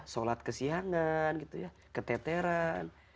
sholat kesiangan gitu ya keteteran